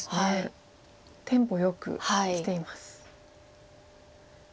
テンポよくきています。